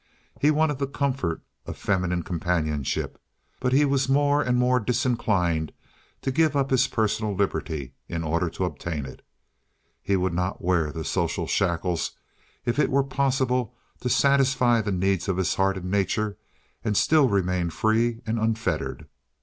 He wanted the comfort of feminine companionship, but he was more and more disinclined to give up his personal liberty in order to obtain it. He would not wear the social shackles if it were possible to satisfy the needs of his heart and nature and still remain free and unfettered.